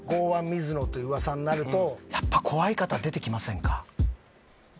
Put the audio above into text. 水野という噂になるとやっぱ怖い方出てきませんか？